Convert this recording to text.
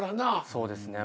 そうですね。